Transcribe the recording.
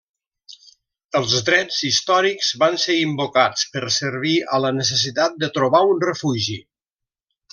Els drets històrics van ser invocats per servir a la necessitat de trobar un refugi.